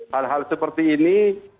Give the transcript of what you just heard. hal hal seperti ini